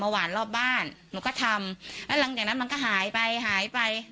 หวานรอบบ้านหนูก็ทำแล้วหลังจากนั้นมันก็หายไปหายไป